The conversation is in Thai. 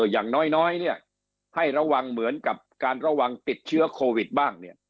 อย่างน้อยเนี่ยให้ระวังเหมือนกับการระวังติดเชื้อโควิดบ้างเนี่ย